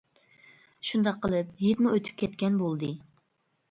شۇنداق قىلىپ ھېيتمۇ ئۆتۈپ كەتكەن بولدى.